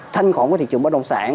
thanh khoản của thị trường bất đồng sản